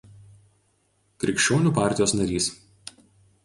Krikščionių partijos narys.